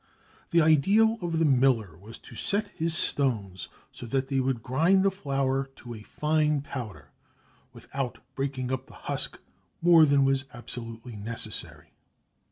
The ideal of the miller was to set his stones so that they would grind the flour to a fine powder without breaking up the husk more than was absolutely necessary.